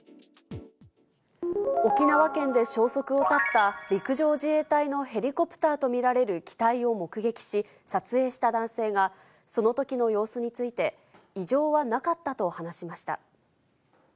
沖縄県で消息を絶った陸上自衛隊のヘリコプターと見られる機体を目撃し、撮影した男性が、そのときの様子について、異常はなかったと話しました。